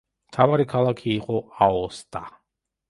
მთავარი ქალაქი იყო აოსტა.